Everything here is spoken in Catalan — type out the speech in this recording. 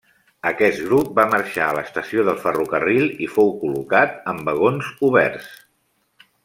Aquest grup va marxar a l'estació del ferrocarril i fou col·locat en vagons oberts.